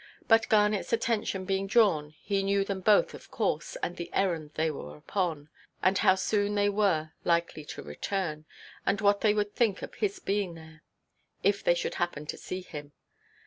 But Garnetʼs attention being drawn, he knew them both of course, and the errand they were come upon, and how soon they were likely to return, and what they would think of his being there, if they should happen to see him.